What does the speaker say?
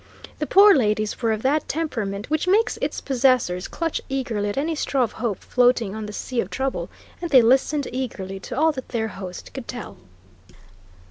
The poor ladies were of that temperament which makes its possessors clutch eagerly at any straw of hope floating on the sea of trouble, and they listened eagerly to all that their host could tell.